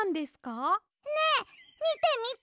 ねえみてみて！